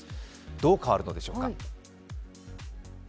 どう変えるのでしょうか。